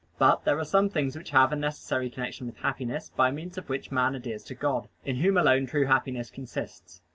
But there are some things which have a necessary connection with happiness, by means of which things man adheres to God, in Whom alone true happiness consists.